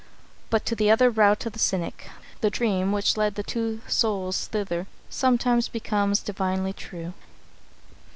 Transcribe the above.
But to the utter rout of the cynic, the dream which led the two souls thither sometimes becomes divinely true.